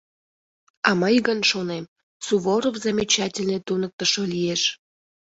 — А мый гын шонем: Суворов замечательный туныктышо лиеш!